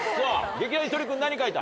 劇団ひとり君何描いた？